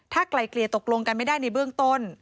ถ้าไกลเกลี่ยตกลงกันไม่ได้ในเบื้องต้น